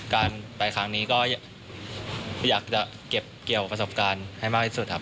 การไปครั้งนี้ก็อยากจะเก็บเกี่ยวประสบการณ์ให้มากที่สุดครับ